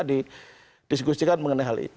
didiskusikan mengenai hal ini